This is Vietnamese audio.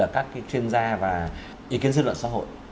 các chuyên gia và ý kiến dư luận xã hội